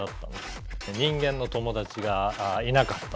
人間の友達がいなかったんですね。